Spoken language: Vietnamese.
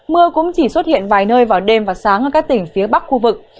mưa cũng chỉ xuất hiện vài nơi vào đêm và sáng ở các tỉnh phía bắc khu vực